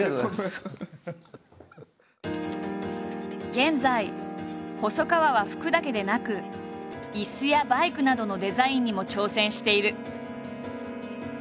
現在細川は服だけでなく椅子やバイクなどのデザインにも挑戦している。